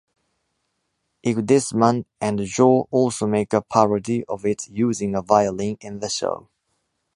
Igudesman and Joo also make a parody of it using a violin in the show.